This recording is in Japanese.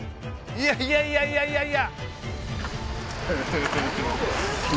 いやいやいやいやいやいや。